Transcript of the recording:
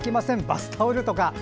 バスタオルとか。